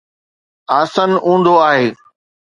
آسن اونڌو آهي